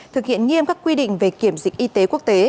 thực hiện nghiêm các quy định về kiểm dịch y tế quốc tế